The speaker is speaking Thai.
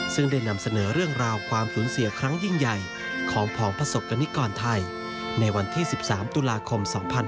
ซึ่งได้นำเสนอเรื่องราวความสูญเสียครั้งยิ่งใหญ่ของผองประสบกรณิกรไทยในวันที่๑๓ตุลาคม๒๕๖๒